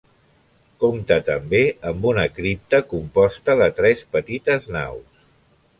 Compta també amb una cripta composta de tres petites naus.